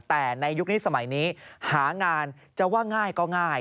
แต่ในยุคนี้สมัยนี้หางานจะว่าง่ายก็ง่าย